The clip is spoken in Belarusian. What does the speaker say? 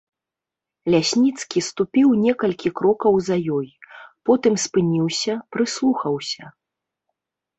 Лясніцкі ступіў некалькі крокаў за ёй, потым спыніўся, прыслухаўся.